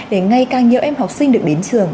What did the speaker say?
để ngày càng nhiều em học sinh được đến trường